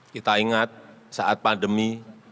kita ingat saat pandemi